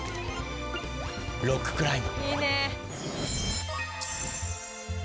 ロッククライム。